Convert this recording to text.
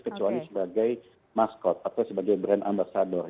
kecuali sebagai maskot atau sebagai brand ambasador